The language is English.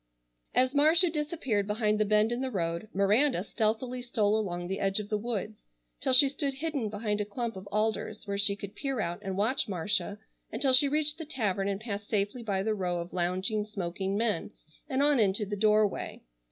As Marcia disappeared behind the bend in the road, Miranda stealthily stole along the edge of the woods, till she stood hidden behind a clump of alders where she could peer out and watch Marcia until she reached the tavern and passed safely by the row of lounging, smoking men, and on into the doorway.